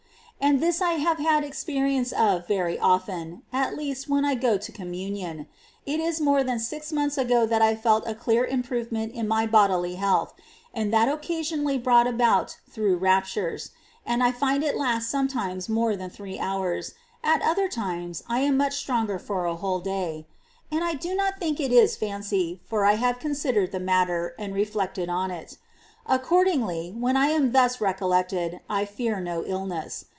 And this I have had experience of very often — at least, when I go to Communion ; it is more than six months ago that I felt a clear improvement in my bodily health, ^ and that occasionally brought about through raptures, and I find it last sometimes more than three hours, at other times I am much stronger for a whole day ; and I do not think it is fancy, for I have con sidered the matter, and reflected on it. Accordingly, when I am thus recollected, I fear no illness.